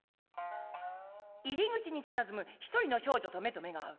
入り口にたたずむ一人の少女と目と目が合う。